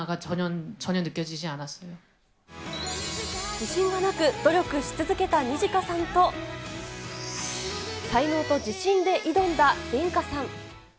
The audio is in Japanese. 自信がなく、努力し続けたニジカさんと、才能と自信で挑んだリンカさん。